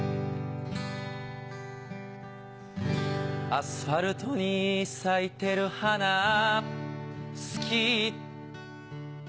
アスファルトに咲いてる花好き